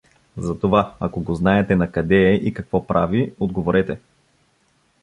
Затова, ако го знаете накъде е и какво прави, отговорете.